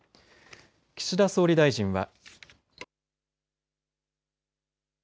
岸田総理大臣は。